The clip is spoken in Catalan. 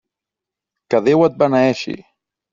Que Déu et beneeixi!